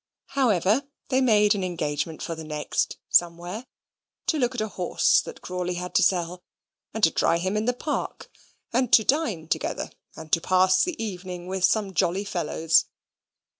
However, they made an engagement for the next, somewhere: to look at a horse that Crawley had to sell, and to try him in the Park; and to dine together, and to pass the evening with some jolly fellows.